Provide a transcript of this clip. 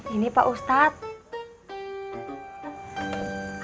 ini pak ustadz